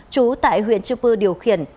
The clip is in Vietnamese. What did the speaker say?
chú tại huyện chư pưu điều khiển